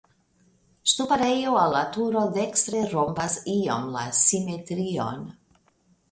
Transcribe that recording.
Ŝtuparejo al la turo dekstre rompas iom la simetrion.